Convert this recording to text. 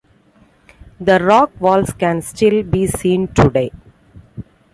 The rock walls can still be seen today.